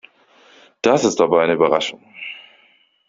Das ist aber eine Überraschung.